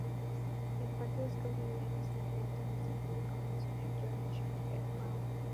El parque Discovery Green está en frente del Centro de Convenciones George R. Brown.